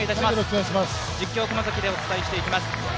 実況は熊崎でお伝えしていきます。